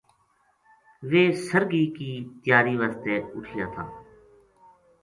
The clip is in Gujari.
ویہ سرگی کی تیاری واسطے اُٹھیا تھا